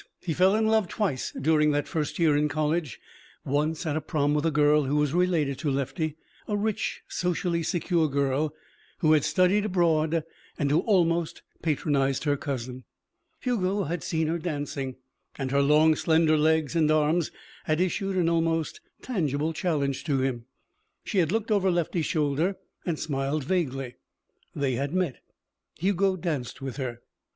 He fell in love twice during that first year in college. Once at a prom with a girl who was related to Lefty a rich, socially secure girl who had studied abroad and who almost patronized her cousin. Hugo had seen her dancing, and her long, slender legs and arms had issued an almost tangible challenge to him. She had looked over Lefty's shoulder and smiled vaguely. They had met. Hugo danced with her.